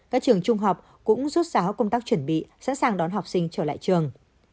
các trường trung học cũng rút sáo công tác chuẩn bị sẵn sàng đón học sinh trở lại trường